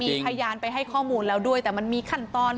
มีพยานไปให้ข้อมูลแล้วด้วยแต่มันมีขั้นตอน